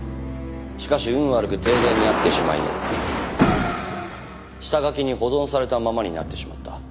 しかし運悪く停電になってしまい下書きに保存されたままになってしまった。